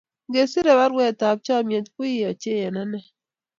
ngesirei baruetab chomnyet kowiy ochei eng ane